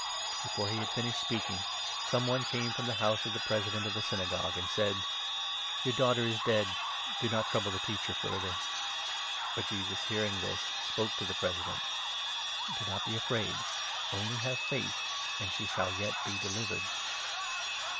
Before he had finished speaking, some one came from the 49 house of the President of the Synagogue and said : "Your daughter is dead! Do not trouble the Teacher further." But Jesus, hearing this, spoke to the President : 50 " Do not be afraid ; only have faith, and she shall yet be delivered.